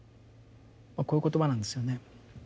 まあこういう言葉なんですよね。